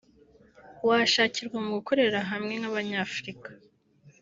washakirwa mu gukorera hamwe nk’Abanyafrika